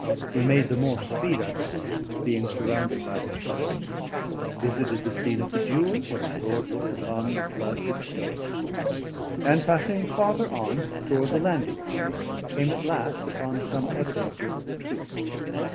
We made the more speed, I believe, being surrounded by this bustle; visited the scene of the duel, where my lord looked upon the blood with stoicism; and passing farther on toward the landing place, came at last upon some evidences of the truth.